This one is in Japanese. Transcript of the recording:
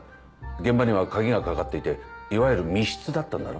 現場には鍵が掛かっていていわゆる密室だったんだろ？